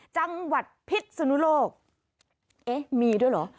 จังหวัดพิษสนุโลกเอ๊ะมีด้วยเหรอ